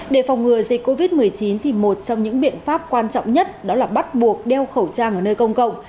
để phòng ngừa dịch covid một mươi chín thì một trong những biện pháp quan trọng nhất đó là bắt buộc đeo khẩu trang ở nơi công cộng